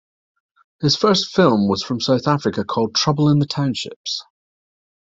His first film was from South Africa called "Trouble in the Townships".